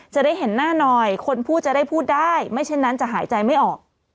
จะได้เห็นหน้าหน่อยคนพูดจะได้พูดได้ไม่เช่นนั้นจะหายใจไม่ออก